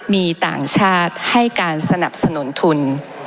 มีต่างชาติให้การสนับสนุนทุน